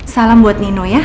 salam buat nino ya